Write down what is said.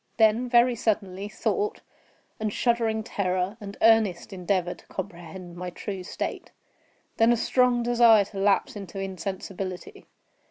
Then, very suddenly, thought, and shuddering terror, and earnest endeavor to comprehend my true state. Then a strong desire to lapse into insensibility.